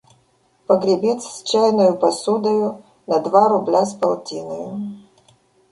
Погребец с чайною посудою на два рубля с полтиною…»